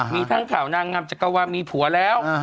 มีทั้งข่าวนางงามจักรวาลมีผัวแล้ว